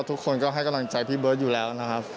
ทุกคนก็ให้กำลังใจพี่เบิร์ตอยู่แล้วนะครับ